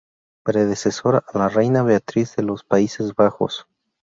Predecesora: la reina Beatriz de los Países Bajos.